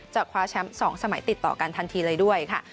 คว้าแชมป์๒สมัยติดต่อกันทันทีเลยด้วยค่ะ